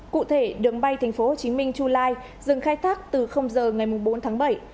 cụ thể đường bay tp hcm chu lai dừng khai thác từ giờ ngày bốn tháng bảy